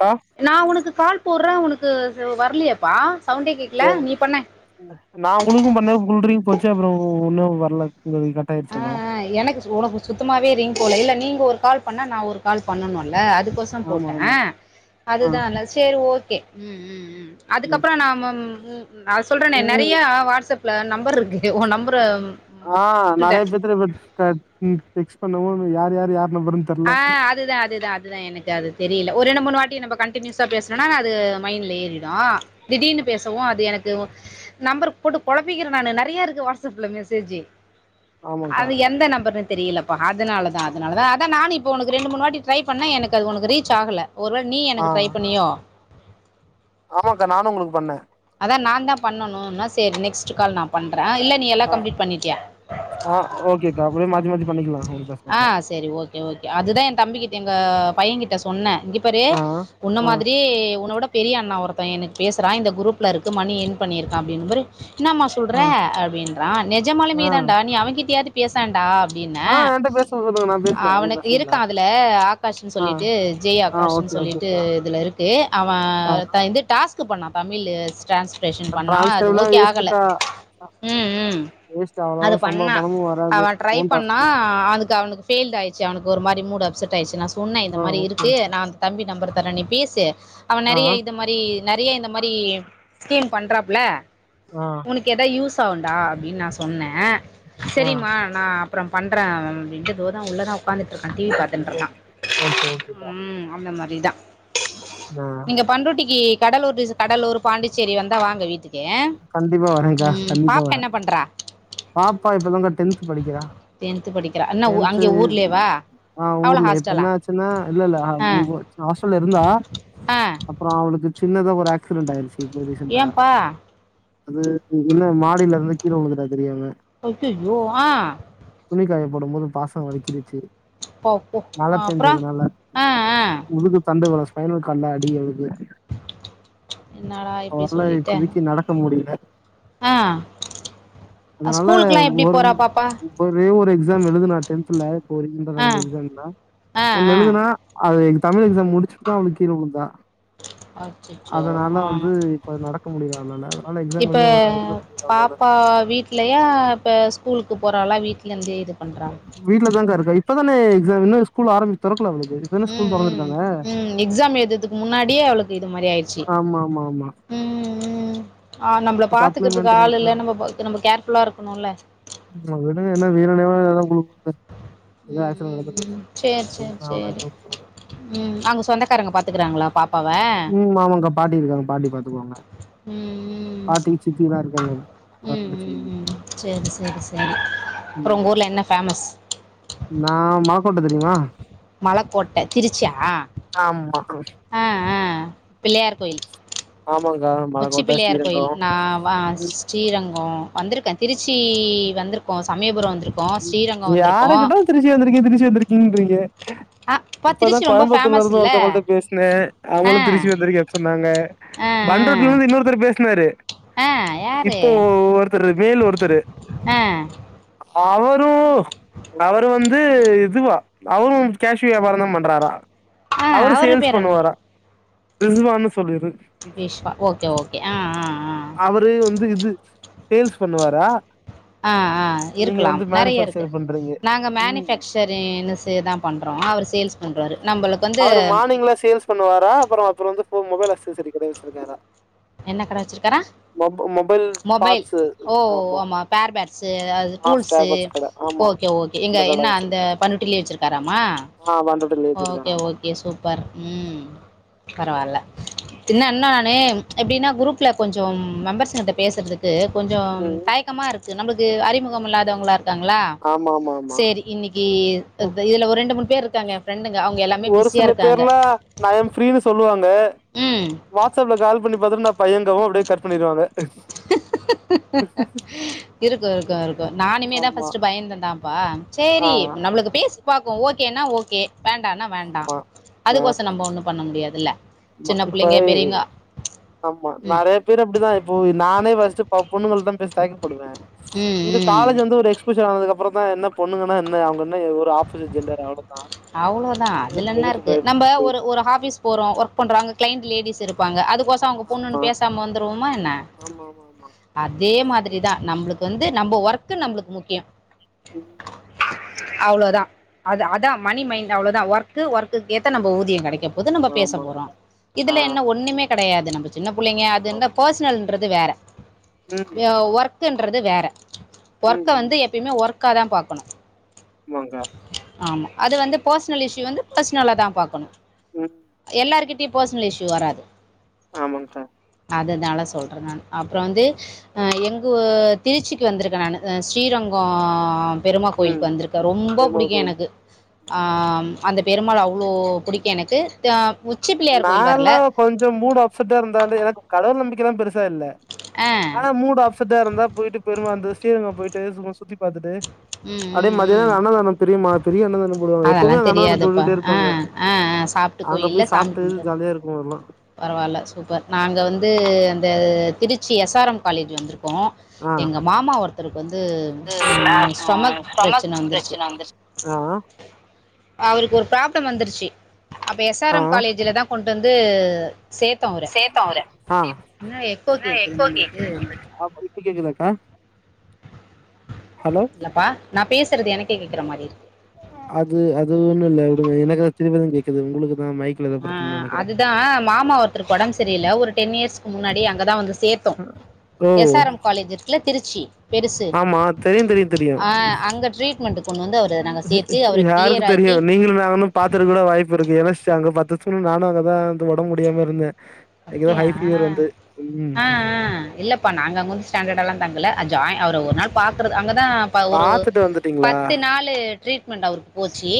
கா நா உனக்கு கால் போடுற உனக்கு வரலையாப்பா ச நா உங்களுக்கு பண்ண குல்றீங் போச்சு அப்புறோ ஒன்னு வர்ல [unintelligible] ஆ எனக்கு உனக்கு சுத்தமாவே ரிங் போல இல்ல நீங்க ஒரு கால் பண்ணா நா ஒரு கால் பண்ணனும்ல்ல அது அதுக்கோசோ ஆமா போட்டே ஆமா ஆ அதுதா சரி ஓகே ம் ம் ம் கே ம் அதுக்கப்புறோ நாம்ப நா சொல்றனே நிறைய ம் வாட்ஸ்அப் நா நம்பர் இருக்கு ஒ நம்பர ஆ நிறையா பேத்தில [unintelligible] அ பண்ணவு யார்யார் யார் நம்பருன்னு தெர்ல ஆ அதுதா அதுதா அதுதா எனக்கு அது தெரில ஒரு ரெண்டு மூணு வாட் இங்க நம்ம கண்டினியூஸா பேசுறோனா அது மைண்ட்ல ஏறிடு ஆ திடீனு பேசவு அது எனக்கு இது நம்பர் போட்டு குழப்பிக்கிறே நானு நிறைய இருக்கு வாட்ஸ்அப்ல மெசேஜு ஆமாக்கா அது எந்த நம்பரு தெரியலப்பா அதனாலதா அதனாலதா ந்தா நானு இப்போ உனக்கு ரெண்டு மூணு வாட்டி ட்ரை பண்ணே எனக்கு அது உனக்கு ரீச் ஆகல ஒருவேள நீ ஆ எனக்கு ட்ரை பண்ணியோ ஆமாக்கா நானும் உங்களுக்கு பண்ணேன் அதான் நா தா பண்ணனும் என்ன செய்றாது நெக்ஸ்ட் கால் நா பண் ஆ ஆ ஓகேக்கா அப்டியே மாத்தி மாத்தி பண்ணிக்கலா ஒன்னு பிரச்சன ஆ இல்ல செரி ஓகே ஓகே அது தா என் தம்பிக்கிட்ட எங்க பையன்கிட்ட சொன்னேன் இங்க பாரு ஆ உன்ன ஆ மாதிரியே உன்னோட பெரிய அண்ணா ஒருத்தன் எனக்கு பேசுறான் இந்த குரூப்ல இருக்குறான் மணி எர்ன் பண்ணியிருக்கான் அப்டின்னு பாரு என்னமா சொல்ற ஆ அப்டின்றான் நெஜமாலும நீ ஆ தான்ண்டா நீ அவங்கிட்டயாவது பேசேண்டா ன்னே ஆ என்ட்ட பேச சொல்லுங்க நா பேசுறே ஒன்னு அவனுக்கு பிரச்சன இல்ல இருக்கான் அதுல ஆகாஷ் ஆ சொல்லிட்டு ஆ ஜெய்ஆகாஷ் ஓகே சொல்லிட்டு ஓகேக்கா இதுல இருக்கு ஆ அவன் இது டாஸ்க் பண்ணுனான் தமிழு டிரான்ஸ்கிரிப்ஷன் பண்ணா அது டிரான்ஸ்கிரைப்லா ஓகே ஆகல வேஸ்ட்டுக்கா ஆ ம் வேஸ்ட் அவ்வளவா அது சம்பா பண்ணா பணமும் வராது அவன் ட்ரைப் ஃபோன் டாஸ்க் பண்ணா தா அதுக்கு அவனுக்கு ஃபயில் ஆயிடுச்சு அவனுக்கு ஒரு மாரி மூடு ட்டு ஆயிச்சு நா சொன்னேன் இந்த ஆ மாரி ஓகே இருக்கு ஓகே நா தம்பி நம்பர்க்கு தரேன் நீ பேசு அவன் ஆ நெறைய இத மாரி நெறைய இந்த மாரி ஸ்கீம் பண்றாப்புல ஆ உனக்கு ஏதா யூஸ் சவுண்டா அப்டின்னு நா சொன்னேன் ஆ செரிம்மா நா அப்றோ பண்றேன் [unintelligible] தோ உள்ள தான் உக்காந்துட்டுருக் டிவி பாத்துண்டு சரி இருக்கான் சரி. ஓகே ஓகேக்கா ம் அந்த மாரி நீ தா ஆ நீங்க பண்ருட்டிக்கி கடலூர் கடலூர் பாண்டிச்சேரி வந்தா வாங்க வீட்டுக்கு கண்டிப்பா வரேங்க ம் கண்டிப்பா பாப்பா வரே என்ன பண்றா பாப்பா இப்ப தாங்க டென்த் படிக்கிறா டென்த்து படிக்கிறா என்ன ஊ டென்து அங்கே ஊர்லேவா ஆ அவளு ஊர்ல இப்ப ஹாஸ்டலா என்ன ஆச்சுன்னா இல்ல இல்ல ஆ ஹாஸ்டல்ல இருந்தா ஆ அப்றோ அவளுக்கு சின்னதா ஒரு ஆக்சிடெண்ட் ஆயிருச்சு இப்ப ரீசென்ட்டா ஏம்பா அது இல்ல மாடிலருந்து கீழ உழுந்துட்டா தெரியாம அய்யய்யோ ஆ துணிக்காய போடும்மோது பாசா வழுக்கிருச்சு போ போ மழ அப்றோ பெஞ்சதுனால ஆ ஆ முதுகு தண்டு வடொ ஸ்பைனல் நல்லா அடி அவளுக்கு என்னடா இப்டி அவளால‌ சொல்லிட்ட எந்திச்சி நடக்க முடில ஆ அதுனால ஸ்கூலுக்குலா எப்டி ஒர் போறா பாப்பா ஒரே ஒரு எக்ஸாம் எழுதுனாத்தே ஆ [unintelligible] [unintelligible] ஆ ஒன்னு ஆ எழுதுனா அது தமிழ் எக்ஸாம் முடுச்சு தா அவளு கீழ வுழுந்தா அச்சச்சோ அதனால ஆ வந்து இப்ப நடக்க முடில அவளால அதனால எக்ஸாம் எழுத வேணா எழுத முடில அவளால லயா இப்ப ஸ்கூலுக்கு போறாலா வீட்லந்தே இது பண்றா வீட்லதாங்கா இருக்கா இப்பதானே எக்ஸாம் இன்னு இது ஸ்கூல் ஆரம்பி தொறக் ம் ம் ம் எக்ஸாம் எழுததுக்கு முன்னாடியே அவளுக்கு இது மாரி ஆயிர்ச்சி ஆமா ஆமா ஆமா ம் ம் ஆ நம்ள பாத்துக்கிற்துக்கு சப்ளிமெண்டரி ஆள் இல்ல நம்ம ப நம்ம கேர் ஃபுல்லா இருக்கணுல்ல [unintelligible] வேணுன்னேவா யாரா போய் உழுவா ம் ம் ம் சேர் அது சேர் என்ன அவ்வளோ சேரி என்ன சொல்ல ம் அங்க சொந்தக்காரங்க பாத் துக்குறாங்களா பா ம் அவுங்க பாட்டி இருக்காங்க பாட்டி பாத்துக்குவாங்க ம் ம் பாட்டி சித்திலா இரு க்காங்க ம் ம் ம் சேர் சேரி சேரி ம் அப்றொ உங்க ஊர்ல என்ன ஃபேமஸ் நா மலகோட்ட தெரிமா மலக்கோட்ட திருச்சியா ஆமா ஆ ஆ பிள்ளையார் கோயில் ஆமாக்கா உச்சி மலக்கோட்ட பிள்ளையார் கோயில் ஸ்ரீரங்கம் நா வ ஸ்ரீரங்கோ வந்துருக்கே திருச்சி வந்துருக்கோ சமயபுரொ வந்து யார கேட்டாலு திருச்சி வந்துருக்கே திருச்சி வந்துரு என்னங்க ஆ அப்பா இப்பதா திருச்சி ரொம்ப ஃபேமஸ் கோயம்புத்தூர்லருந்து இல்லை ஒருத்தவுங்கள்ட பேசுனே ஆ அவுங்களு திருச்சி வந்தருக்கேன் சொன்னாங்க ஆ ஆ பண்ருட்லருந்து இன்னொருத்தர் பேசுனாரு ஆ யார் இப்போ ஒருத்தரு வேலு ஒருத்தரு ஆ அவரு அவரு வந்து இதுவா அவரு கேஷ்யு வியாபாரந் தா பண்றாரா ஆ அவரு அவர் சேல்ஸ் பேர் என்ன பண்ணுவாரா ரிஸ்வான்னு சொல்லிரு விஷ்வா ஓகே ஓகே ஆ ஆ ஆ அவரு வந்து இது சேல்ஸ் பண்ணுவாரா ஆ ஆ நீங்க இருக்கலாம் வந்து நெறைய இருக்கு மேனுஃபேக்சர் பண்றீங்க நாங்க ம் மேனுஃபேக்சரீன்னுசெ தா பண்றோ அவரு ஓ அவரு மானிங்லா சேல்ஸ் பண்ணுவாரா அப்புறொ ஒருத்தர் வந்து ஓ மொபைல் ஆக்ஸஸரி கட வச்சுருக்காரா என்ன கட வச்சுருக்காரா மொபைல் மொபைல் பார்ட்ஸு ஓ ஆமா பேர் பேட்ஸு அது ஆ ஸ்பேர் டூல்ஸு பார்ட்ஸ் கட ஆமா ஓகே ஓகே இங்க அந்த கட என்ன அந்த வச்சிருக்காரு பண்ருட்டிலியே வச்சிருக்காராமா ஆ பண்ருட்டில ஏத்திருக்காரு ஓகே ஆமா ஓகே சூப்பர் ம் பரவால்ல சின்ன என்ன நானு எப்டின்னா குருப் ஸ்ல கொஞ்சம் மெம்பர்ஸு ங்கட்ட பேசர்துக்கு கொஞ்சம் ம் தயக்கமா இரு க்கு நம்பள்க்கு அறிமுகம் இல்லாதவங்களா இருக் காங்ளா ஆமா ஆமா ஆமா சேரி இன்னிக்கி இ ஒ- இதுல ஒரு ரெண்டு மூனு பேர்ருக்காங்க ஒரு சில பேர்லா ஐயம் ஃப்ரீனு சொல்லுவாங்க ம் வாட்ஸ்அப்ல கால் பண்ணி பாத்துட் நா தயங்கவு அப்டியே கட் பண்ணிருவாங்க இருக்கு இருக்கு இருக்கு நானுமே தா ஆமா ஃபஸ்ட்டு பயந்தெந்தாப்பா ஆ சேரி நம்ளுக்கு பேசி பாக்கோ ஓ கேனா ஓகே வேண்டான்னா வேண்டாம் ஆமா ஆ அதுக்கோசம் நம்ம ஒன்றும் பண்ண முடியாதுல்ல மா சின்ன பிள்ளைங்க இப்பய் பெரியவங்க ஆமா ம் நெறைய பேர் அப்டிதா இப்பொ நானே வா ஸப்பா பொண்ணுங்கள்தா பேச தயக்க படுவே ம் இங்க ம் காலேஜ் வந்து ஒரு எக்ஸ்ப்ர ஷே ஆனதுக்கப்புறந்தா என்ன பொண்ணுங்கனா என்ன அவுங்க என்ன ஒரு ஆ ப்போசிட் ஜென்டர் அவ்ளொதா அவ்ளோதா இதுலென்ன இருக்கு நம்ப ஒரு ஒரு ஆஃபிஸ் போறோ ஒர்க் பண்றோ அங்க கிளைண்ட் லேடிஸ் இருப்பாங்க அது க்கோசொ அவுங்க பொண்ணுன்னு ஆமா பேசாம வந்துருவோமா என்ன ஆமா ஆமா ஆமா அதே மாதிரி தா நம்ளுக் வந்து நம்ப ஒர்க்கு நம்ளுக்கு முக்கியொ ம் அவ்ளோதா அது அதா மணி மைண்ட் அவ்ளதா ஒர்க்கு ஒர்க்குக் ஏத்த நம்ப ஊதிய கெடைக்கப் போது நம்ப பேச ஆமா போறோ ஆ இதுல என்ன ஒன்னுமே கெடையாது நம்ப சின்ன புள்ளைங்க அது ஆமா இந்த பர்ஸ்னல் ன்றது வேற ம் எ ஒர் க்குன்றது வேற ம் ஒர்க்க வந்து எப்பியுமே ஒர் க்காதா பாக்கனு ஆமாங்க்கா ஆமா அது வந்து பர்ஸ்னல் இஷ்யூ வந்து பர்ஸ்னலா தா பாக்கனு ம் எல்லாருகிட் ட பர்ஸ்னல் இஷ்யூ வராது ஆமாங்க்கா அதுனால சொல்றே நானு அப்ற வந்து அ எங்கு திருச்சிக்கு வந்திருக்கே நானு ஸ்ரீரங்கோ பெருமா ம் கோயிலுக் வந்திருக்க ரொம்ப புடி பெருமாள் க்கு கோவில் எனக்கு ஆ ம் அந்த பெருமாள் அவ்ளோ புடிக்கு எனக்கு த உச்சி பிள்ளையார் கோயில் வரல நாந்தா கொஞ்ச மூடு அப்சட்டா இருந்தாலு எனக்கு கடவுள் நம்பி க்கலா பெரு சா இல்ல ஆ ஆனா மூடு அப்சட்டா இருந்தா போயிட்டு பெருமாந்த சீரங்க போயிட் டு சும்மா சுத்தி பாத்துட்டு ம் அப்டியே ம் ம் மதியான அன்னதான தெரியுமா பெரிய அன்னதான போடுவாங்க எப்பவ்மே அதெல்லாம் அங்க அன்னதான தெரியாதுப்பா போட்டுட்டே ஆ இருப்பாங்க ஆ ஆ சாப்பிட்டு அங்க போய் சாப் டு ஜாலியா இருக்கு ஆ னா பரவால்ல சூப்பர் நாங்க வந்து அந்த Trichy S R M college வந்துரு க்கோ ஆ எங்க மாமா ஒரு [unintelligible] ஸ்டொமக் பிரச்சனை பிரச்சன வந்துருச்சி ஹலோ அவுருக்கு ஒரு பிராப்ளம் வந்திருச்சி அப்ப எஸ் ஆர் எம் காலேஜ்லதா கொண்டு வந் து சேத்த அவுர ஆன என்ன எக்கோ கேட்குது எகோ நம்மளுக்கு கேக்குது நம்பளுக்கு அப்பிடி இப்ப கேக்குதாக்கா ஹலோ இல்லப்பா நாப் பேசறது எனக்கே கேக்குற மாரி இருக் அது அது ஒன்னு இல்லவுடுங்க எனக்கா திரிவிதம் கேக்குது உங்களுக்கு தா மைக்ல ஏதோ ஆ பிரச்சனன்னு அ நெனைக்கிறே அதுதா மாமா ஒருத்தருக்கு ஒடம்பு சரியில்ல ஒரு டென் இயர்ஸ் முன்னாடி அங்கதா வந்துஸ் சேத்தோ ஓ எஸ்ஆர்எம் காலேஜ் இருக்குல திருச்சி பெருசு ஆமா தெரியு தெரியு தெரியு ஆ ம் அங்க ட்ரீட்மெண்ட்டு கொண்டு வந்து அவர நாங்க ஜீ சேத்து ஜீ அவர யாருக்கு கிளியர் தெரியு ஆக்கி நீங்களு நானு பாத்திருக்க கூட வாய்ப்பு இருக்கு எதர்ச்சியா அங்க பாத்து சுனும் நானு அங்கதா அந்த ஒடம்பு முடியாம இருந்தே எனக்கு ஏதோ அப்பிடியா ஹை ஆ ஃபீவர் வந்து அ ம் இல்லப்பா நாங்க அங்க வந்து ஸ்டாண்டடாலா தங்கல ஜாயின் அவர ஒரு நாள் பாக்கறது அங்க தா ப ஒரு ஒரு பாத்துட்டு வந்துட்டீங்களா பத்து நாலு ட்ரீட்மெண்ட் அவுருக்கு போச்சி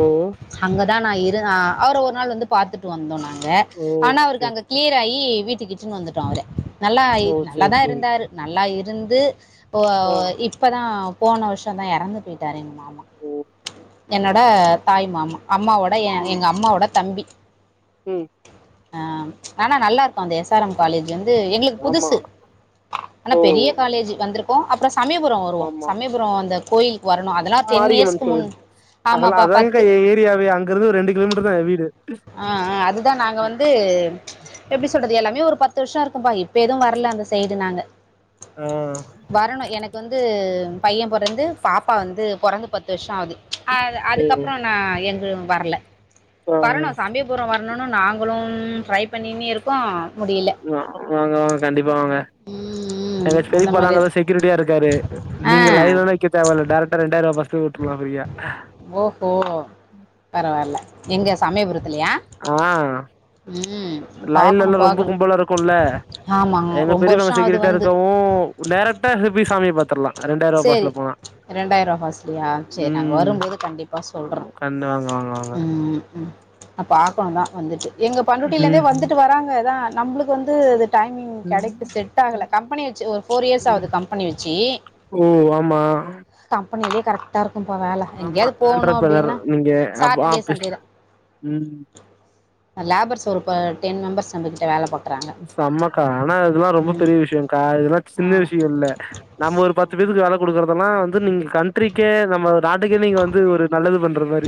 ஓ தா நா இரு ஆ அவர ஒரு நாள் வந்து பாத்துட்டு வந்தோ நாங்க ஓ ஆனா அவுரு ஓகே அங்க ஓகே கிளியர் ஆகி வீட் திகிட்டுன்னு வந்துட்டோ அவுர நல்லா ஆயி ஓ சேரி நல்லாதா சேரி இருந்தாரு நல்லா இ இருந்து ஓ அ ஆ வ இப்ப தா போன வருஷோதா எறந்து போயிட்டாரு எங்கள் மாமா ஓ என்னோட தாய் மாமா அம்மாவோட ஏ ம் எங்க அம்மாவோட தம்பி ம் ஆ ஆனா நல்லா இருக்கும அந்த எஸ்ஆர் எம் காலேஜ் எந்து எங்களுக்கு ஆமா புதுசு ஆனா ஓ பெரிய காலேஜ் வந்துருக் போ அப்றஸ் சமீபுரோ வருவோ ஆமாமா சமீபுரோ அந்தக் கோயில் மாரியம்மன் கோயில் அதல்லா ஆமாப்பா பத்து அதாங்கக்கா ஏ ஏரியாவே அங்கிருந்து ஒரு ரெண்டு கிலோமீட்டர்தா ஏ வீடு து எப்டி சொல்றது எல்லாமே ஒரு பத்து வருஷோ இருக்கும்பா இப்ப எதும் வரல அந்த சைடு நாங்க ஆ வரணு எனக்கு வந்து பைய பொறந்து பாப்பா வந்து பொறந்து பத்து வருஷோ ஆகுது அது சேரி அதுக்கப்பறோ நா எங்கயு வரல ஆ வரணு சமீபுரோ வர் வர்ணுனு நாங் நாங்ளும் ட்ரை பண்ணினே இருக்கோ முடியல வா வாங்க வாங்க கண்டிப்பா வாங்க ம் ங்க ம் எங்க அந்த பெரிப்பாதா மாரி அங்கதா செக்யூரிடியா இருக்காரு ஆ நீங்க லைன்லல்லா நிக்க தேவ இல்ல டேரெக்டா ரெண்டாயிரூபா பஸ் பஸ்ஸு உட்டுர்லா ஃப்ரீயா ஓஹோ பரவால்ல எங்க சமீயபுரத் ஆ லைன்ல பாக்கணு எல்லா ரொம்ப பாக்கணு கும்பலா இருக்குல்ல ஆமா எங்க ரொம்ப பெரியவங்க வருஷம் ஆகுது செக்யூரிடியா வந்து இருக்கவு டேரக்டா அங்க போய் சாமிய பாத்துர்லா ரெண்டாயிரூவா சேரி பஸ்ல போனா ரெண்டாயிரூவா பஸ்லையா சேர் நாங்க ம் வரும்போது கண்டிப்பா ம் சொல்றோ உக்காந்து வாங்க வாங்க வாங்க ம் ம் நா பாக்கணுந்தா வந்துட்டு எங்க பண்ரூட்டிலே இருந்தே ம் வந்துட்டு வராங்க தா நம்ளுக்கு வந்து அது டைமிங் கெடைக்கு ம் செட் ஆகல கம்பெனி வெச்சு ஒரு ஃபோர் இயர்ஸ் ம் ஆகுது கம்பெனி வெச்சி ஓ ஆமா பண்ணதே கரெக்டா இருக் இருக்கும்பா வேல ஆமா எங்கேயாவது போகணு ஆண்டர்பனர் அப்டின்னா நீங்க அப் ஆ சாட்டர்டே பிஸ் சண்டேதா ம் லேபர்ஸ் ஒரு டென் மெம்பெர்ஸ் நம்மகிட்ட வேல பாக் செம்மக்கா ஆனா அதெல்லா ரொம்ப பெரிய விஷ்யோங்கா இதெல்லா சின்ன ஆமா விஷ்யோ இல்ல நம்ம ஒரு பத்து பேருத்துக்கு வேல குடுக்கறதெல்லா வந்து நீங்க கண்ட்ரிக்கே நம்ம நாட்டுக்கே நீங்க வந்து ஒரு நல்லது பண்ற மாரி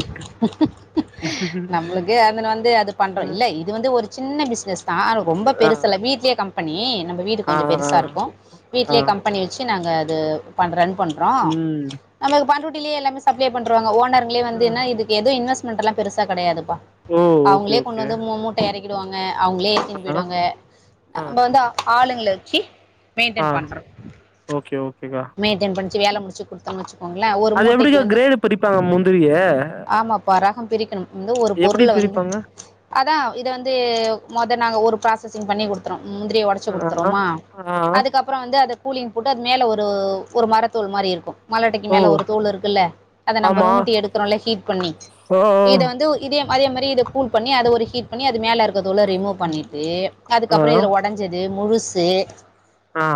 ம். நம்மளுக்கு அதன வந்து அது பண்றோ இல்ல இது வந்து ஒரு சின்ன பிஸ்னஸ் நான் ரொம்ப ஆ பெருசல்ல வீட்லியே கம் பண்ணி நம் வீடுக்கு ஆ கொஞ்சோ ஆ பெருசா இருக்கு ஆ வீட்லேயே கம்பெனி வச்சி எ நாங்க அது பண்ரெண் பண்றோ ம் நம்ம பண்ரூ டிலே எல்லாமே சப்ளே பண்றுவாங்க ஒன் னர்களே வந்து என்ன இது து இன்வெஷ்மெண்டலா பெருசா கெடையாது ஓ ஓகே அவங்களே கொண்டு ஓகே வந்து மு மூட்ட எறக் கிடுவாங்க அவுங்களே ஆ ஏத்தின்னு போயிடுவாங்க ஆ நம்ப வந்து ஆளுங்கள வச்சி ஆ மெயின்டென் பண்றோ ஓகே ஓகேக்கா மெயின்டென் பண் சே வேலை முடிச்சு குடுத்தனுச்சி அது எப்பிடிக்கா கிரேடு பிரிப்பாங்க முந்திரிய ஆமாப்பா ரகோ பிரிக்கணு வந்து ஒரு எப்டி பொருள் வந்து பிரிப்பாங்க அதா இத வந்து மொத நாங்க ஒரு பிரா சிசெங் பண்ணி குடுத்துரு முந்திரிய ஒடச்சி ஆ குடுத்துறோமா ஆ அதுக்கப்புறோ வந்து அத கூலிங் போட்டு அது மேல ஒ ஒ ஒரு மரத்தோள் மாரி இருக்கு மலட்டைக்கு ஓ மேல ஒரு தோள் இருக்குல்ல அத நம்ம ஆமா நூம்ட்டி எடுக்கிறோல்ல ஹீட் ஆ இத வந்து இ தி அதே மாரி இத கூல் பண்ணி அத ஒரு ஹீட் பண்ணி அது மேல இருக் த்த தோல ரிமூவ் ம் பண்ணிட்டு ஆ அதுக்கப்புறோ இதுல உடஞ்சது முழுசு ஆ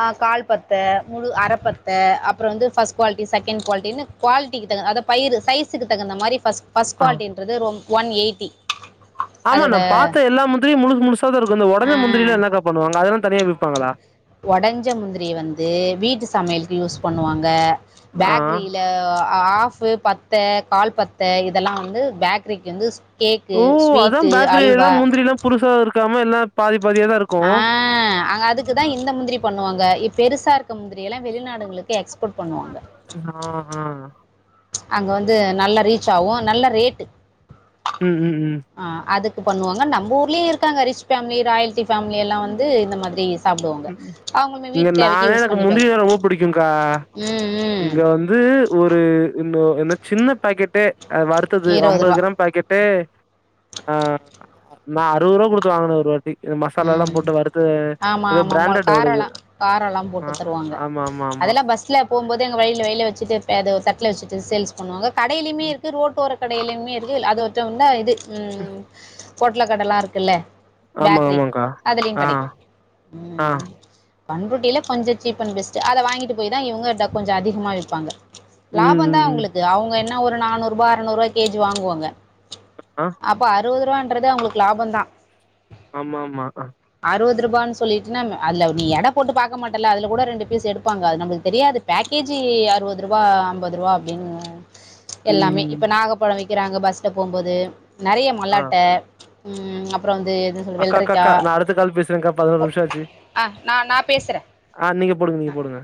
ஆ கால் பத்து முழு அர பத்து அப்புறோ வந்து ஃபஸ்ட் குவாலிட்டி செகண்ட் குவாலிட்ட குவாலிட்டிக்கு தகு அத பயிரு சைஸ் ஸ்க்கு தகுந்த மாரி ஃபஸ்ட் ஃபஸ்ட் ஆ குவாலிட்டின்றது ரொம் ஒன் எயிட்டி ஆமா அதோட நம் பார்த்த எல்லா முந்திரியும் முழுசு முழுசாதா இருக்கு இந்த ஆ, ஒடஞ்ச முந்திரில என்னக்கா பண்ணுவாங்க அதனன் தனியா விப்பாங்களா ஒடஞ்ச முந்திரிய வந்து வீட்டு சமையலுக்கு யூஸ் பண்ணுவாங்க ஆ பேக்ரியில ஆஃப்பு பத்த கால் பத்த இதெல்லா வந்து பேக்கரிக்கு வந்துஸ் ஓ அதாம் பேக்கரில எல்லாம் முந்திரி எல்லாம் புருசா இருக் காம எல்லா பாதிப் ஆ அங்க அதுக்குதா இந்த முந்திரி பண் வாங்க இப் பெருசா இருக்க முந்திரி தி எல்லா வெளிநாடுகளுக்கு எக்ஸ்போர்ட் பண்ணுவாங்க ஆ ஆ அங்க வந்து நல்ல ரீச் ஆகு நல்ல ரேட்டு ம் ம் ம் கு பண்ணுவாங்க நம் ஊர்லயு இருக்காங்க ரிச் ஃபேமிலி ராயல் டிப் ஃபேமிலி எல்லா வந்து இந்த மாதிரி சாப்புடுவாங்க அவங்களுமே இங்க வீட் தேவைக்கு நானே யூஸ் எனக்கு பண்ணிப்பங்க முந்திரினா ரொம்ப புடிக்குங்க்கா ம் ம் இங்க ஒ என்ன சின்ன பாக்கெட்டே வருத்தது ரூ. ஐம்பது கிராம் பேக்கெட் டே ஆ நா அறுவருவா குடுத்து வாங்குன ஒரு வாட்டி மசாலாலா ம் போட்டு வறுத்து ஆமா ஏதோ ஆமாமா பிராண்டட் ஓடுது காரோல்லா காரோ எல்லாம் ஆ போட்டு ஆ, தருவாங்க ஆமா ஆமா ஆமா அதெல்லா பஸ்ல போம் போது எங்க வழில வெயில்ல வெச்சுட்டு பேதோர் தட்ல வெச்சுட்டு சேல்ஸ் பண்ணுவாங்க கடையிலிமே ம். இருக்கு ரோட்டோரத் கடையிலுமே இருக்கு இல் அது ஒர் கிட்ட வந்தா இது ம் பொட்ல கடலா இருக்குல்ல ஆமா ஆமாங் அதுலையுங் கெடைக்கு ம் பண்ருட்டியில கொஞ்சோ சீப் அண்ட் பெஸ்ட்டு அத வாங்கிட்டு போய்தா இவங்கட்ட கொஞ்சோ அதிகமா விப்பாங்க ம் லாபந்தா ம் ம் அவங்களுக்கு அவங்க என் என்ன ஒரு நானூ ரூபா அறுநூறுவா கேஜி வாங்குவாங்க ஆ அப்ப அ றுவதுருவான்றது அவுங்களுக்கு லாபந்தா ஆமாமா அறுவது ருபான் சொல்லிட்டு நம் அதுல நீ எட போட்டு பாக்க மாட்டல்ல அதுல கூட ரெண்டு பீஸ் எடுப்பாங்க அது நம்ளு தெரியாது பேக்கேஜி அறுவது ருபா அம்பது ருவா அப்டின் எல்லாமே ம் இப்ப நாகப்பழ வி க்கிறாங்க பஸ்ல போம்போது நெறைய ஆ மல்லாட்ட ம் அப் ற வந்து எது சொல்ற வெள்ரி கா நா அடுத்த கால் பேசுறேக்கா பதினோரு நிமிஷ ஆச்சு ஆ நான் நான் பேசுகிறேன் ஆ நீங்க போடுங்க ஆ நீங்க போடுங்க